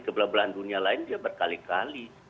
ke belah belahan dunia lain dia berkali kali